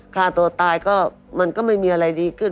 ฆ่าตัวตายก็มันก็ไม่มีอะไรดีขึ้น